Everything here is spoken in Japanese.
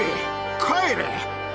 帰れ！